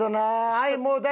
はい！